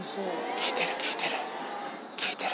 効いてる効いてる！